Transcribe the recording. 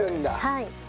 はい。